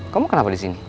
kamu kenapa di sini